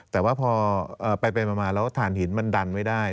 แต่ว่าพอไปมาแล้วฐานหินมันดันไว้ได้